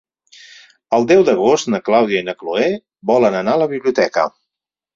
El deu d'agost na Clàudia i na Cloè volen anar a la biblioteca.